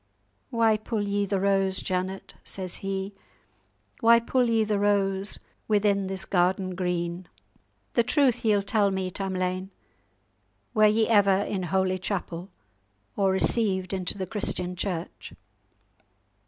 "Why pull ye the rose, Janet?" says he; "why pull ye the rose within this garden green?" "The truth ye'll tell me, Tamlane; were ye ever in holy chapel, or received into the Christian Church?"